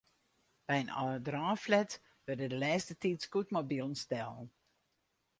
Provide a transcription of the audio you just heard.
By in âldereinflat wurde de lêste tiid scootmobilen stellen.